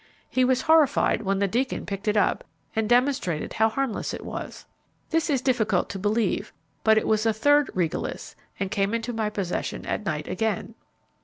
He was horrified when the Deacon picked it up, and demonstrated how harmless it was. This is difficult to believe, but it was a third Regalis and came into my possession at night again.